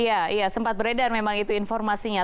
iya iya sempat beredar memang itu informasinya